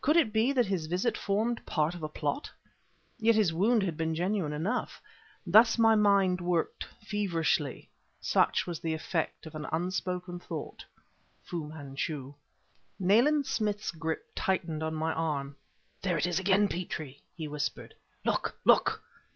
Could it be that his visit formed part of a plot? Yet his wound had been genuine enough. Thus my mind worked, feverishly; such was the effect of an unspoken thought Fu Manchu. Nayland Smith's grip tightened on my arm. "There it is again, Petrie!" he whispered. "Look, look!"